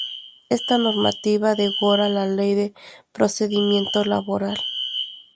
Esta normativa deroga la Ley de Procedimiento Laboral.